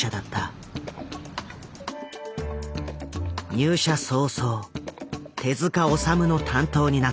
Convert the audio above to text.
入社早々手治虫の担当になった。